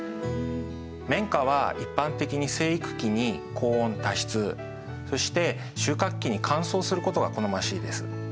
綿花は一般的に生育期に高温多湿そして収穫期に乾燥することが好ましいです。